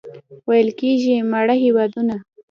ویل کېږي ماړه هېوادونه.